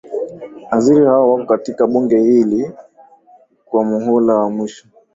aziri hao wako katika bunge hili kwa muhula wa mwisho